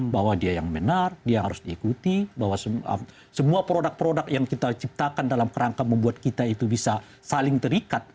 bahwa dia yang benar dia harus diikuti bahwa semua produk produk yang kita ciptakan dalam kerangka membuat kita itu bisa saling terikat